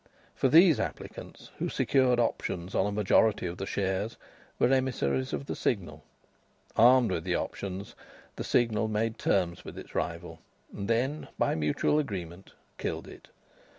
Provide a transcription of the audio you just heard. For these applicants, who secured options on a majority of the shares, were emissaries of the Signal. Armed with the options, the Signal made terms with its rival, and then by mutual agreement killed it.